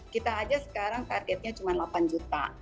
kita aja sekarang targetnya cuma delapan juta